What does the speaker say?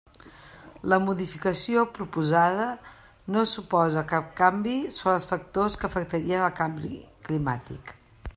La modificació proposada no suposa cap canvi sobre els factors que afectarien el canvi climàtic.